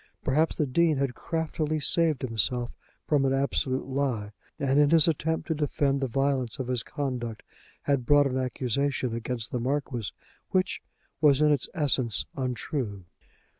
Perhaps the Dean had craftily saved himself from an absolute lie, and in his attempt to defend the violence of his conduct had brought an accusation against the Marquis, which was in its essence, untrue.